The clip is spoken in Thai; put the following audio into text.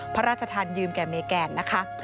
พระราชทานยืมแก่เมแกนนะคะ